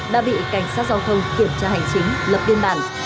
đã bị cảnh sát giao thông kiểm tra hành chính lập biên bản